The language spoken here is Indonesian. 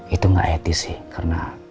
itu nggak etis sih karena